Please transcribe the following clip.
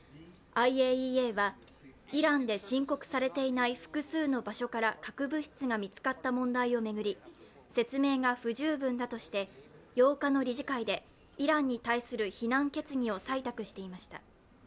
ＩＡＥＡはイランで申告されていない複数の場所から核物質が見つかった問題を巡り、説明が不十分だとして、８日の理事会でイランに対する非難決議を採択していました。